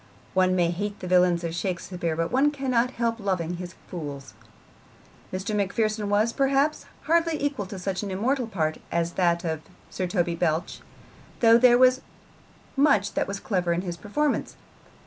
One may hate the villains of Shakespeare, but one cannot help loving his fools. Mr. Macpherson was, perhaps, hardly equal to such an immortal part as that of Sir Toby Belch, though there was much that was clever in his performance.